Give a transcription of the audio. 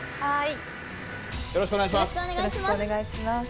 よろしくお願いします。